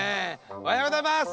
おはようございます！